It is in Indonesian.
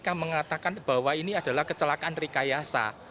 kpk mengatakan bahwa ini adalah kecelakaan rekayasa